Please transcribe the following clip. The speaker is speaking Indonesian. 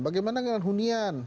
bagaimana dengan hunian